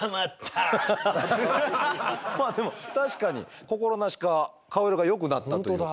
まあでも確かに心なしか顔色がよくなったというか。